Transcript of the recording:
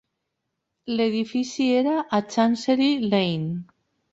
L'edifici era a Chancery Lane.